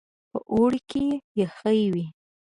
په اوړي کې يخې وې.